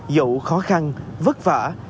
dẫu khó khăn vất vả